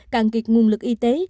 càng kiệt nguồn lực y tế